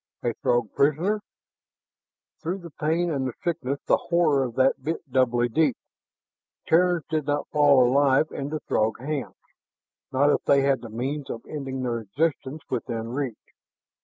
A Throg prisoner! Through the pain and the sickness the horror of that bit doubly deep. Terrans did not fall alive into Throg hands, not if they had the means of ending their existence within reach.